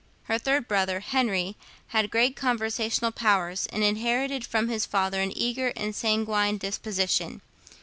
Her third brother, Henry, had great conversational powers, and inherited from his father an eager and sanguine disposition.